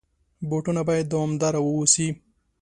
بوټونه باید دوامدار واوسي.